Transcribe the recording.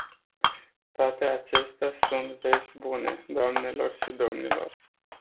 Toate acestea sunt vești bune, doamnelor și domnilor.